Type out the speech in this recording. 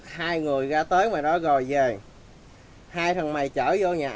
hải tàu phản động